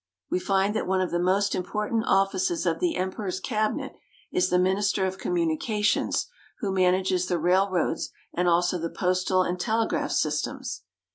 We find that oneof the most important offi cers of the E m p e r o r's Cabinet is the Minister of Communica tions, who man ages the rail roads and also the postal and telegraph sys tems.